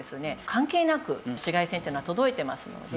関係なく紫外線というのは届いていますので。